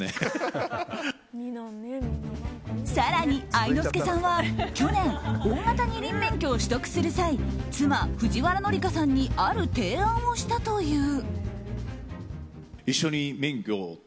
更に愛之助さんは去年大型二輪免許を取得する際、妻・藤原紀香さんにある提案をしたという。